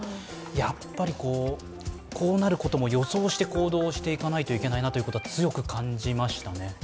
やっぱりこうなることも予想して行動していかないといけないなということは強く感じましたね。